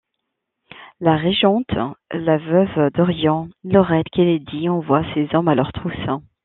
La régente, la veuve d'Orion Laurel Kennedy envoie ses hommes à leurs trousses.